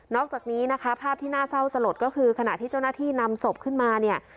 อกจากนี้นะคะภาพที่น่าเศร้าสลดก็คือขณะที่เจ้าหน้าที่นำศพขึ้นมาเนี่ย